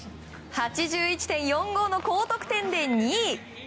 ８１．４５の高得点で２位。